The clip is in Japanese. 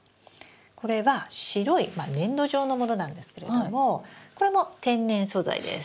これは白い粘土状のものなんですけれどもこれも天然素材です。